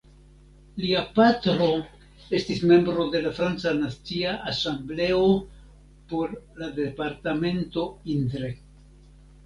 Lia patro estis membro de la franca Nacia Asembleo por la departemento Indre.